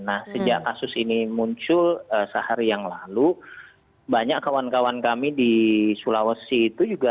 nah sejak kasus ini muncul sehari yang lalu banyak kawan kawan kami di sulawesi itu juga